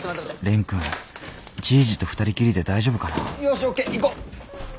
蓮くんじぃじと２人きりで大丈夫かなよしＯＫ行こう。